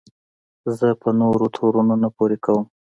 زه په نورو تورونه نه پورې کوم.